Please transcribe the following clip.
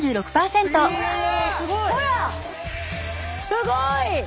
すごい。